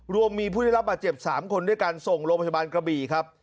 รวมมีผู้ได้รับบาดเจ็บ๓คนด้วยการส่งโรงพยาบาลกระบี่ครับ